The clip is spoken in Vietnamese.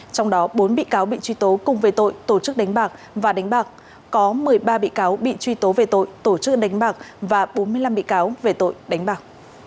trong đó bốn bị cáo bị truy tố cùng về tội tổ chức đánh bạc và đánh bạc